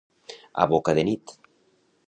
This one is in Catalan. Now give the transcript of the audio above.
A boca de nit.